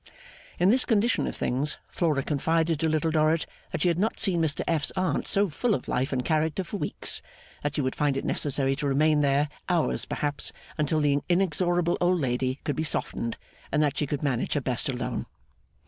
In this condition of things, Flora confided to Little Dorrit that she had not seen Mr F.'s Aunt so full of life and character for weeks; that she would find it necessary to remain there 'hours perhaps,' until the inexorable old lady could be softened; and that she could manage her best alone.